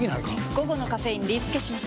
午後のカフェインリスケします！